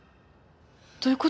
どういう事？